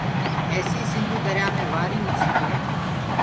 ايسي سنڌيٚ دريآ مي وآريٚ اُڏسيٚ ڪر